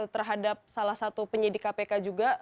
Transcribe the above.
terhadap salah satu penyidik kpk juga